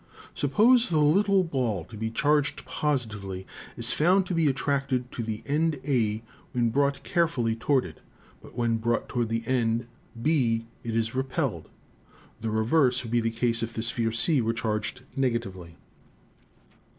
Suppose the little ball to be charged positively, it is found to be attracted to the end A when brought carefully toward it, but when brought toward the end B it is repelled. The reverse would be the case if the sphere C were charged negatively.